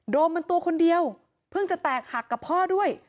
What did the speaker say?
มมันตัวคนเดียวเพิ่งจะแตกหักกับพ่อด้วย